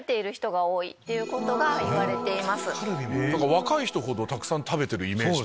若い人ほどたくさん食べてるイメージ。